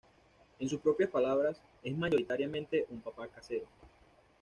En sus propias palabras, es "mayoritariamente" un papá casero.